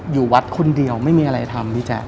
อยู่วัดคนเดียวไม่มีอะไรทำพี่แจ๊ค